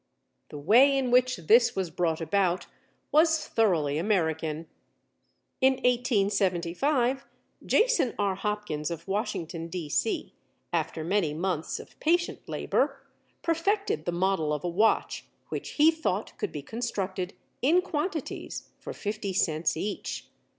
The way in which this was brought about was thoroughly American. In 1875, Jason R. Hopkins, of Washington, D. C., after many months of patient labor, perfected the model of a watch which he thought could be constructed in quantities for fifty cents each.